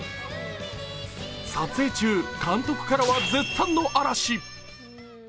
撮影中、監督からは絶賛の嵐。